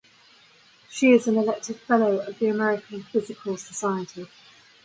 She is an elected fellow of the American Physical Society.